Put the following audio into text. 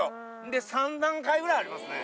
で、３段階ぐらいありますね。